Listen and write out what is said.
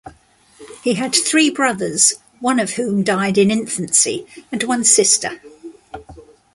He had three brothers, one of whom died in infancy, and one sister.